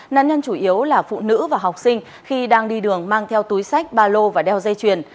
nạn nhân chủ yếu là phụ nữ và học sinh khi đang đi đường mang theo túi sách ba lô và đeo dây chuyền